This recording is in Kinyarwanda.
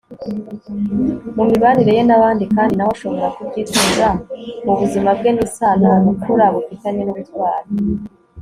mu mibanire ye n'abandi kandi nawe ashobora kubyitoza mu buzima bwe n'isano ubupfura bufitanye n'ubutwari